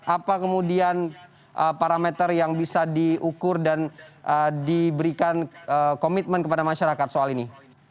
apa kemudian parameter yang bisa diukur dan diberikan komitmen kepada masyarakat soal ini